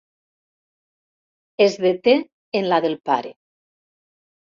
Es deté en la del pare.